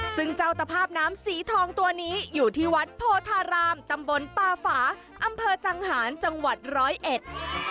ซึ่งเจ้าตภาพน้ำสีทองตัวนี้อยู่ที่วัดโพธารามตำบลปาฝาอำเภอจังหารจังหวัดร้อยเอ็ด